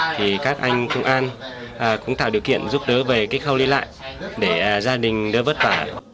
thì các anh công an cũng tạo điều kiện giúp đỡ về cái khâu đi lại để gia đình đỡ vất vả